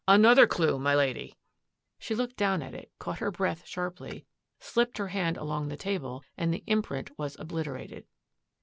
" Another clue, my Lady !'* She looked down at it, caught her breath sharply, slipped her hand along the table, and the imprint was obliterated.